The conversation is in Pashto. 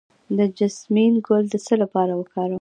د جیسمین ګل د څه لپاره وکاروم؟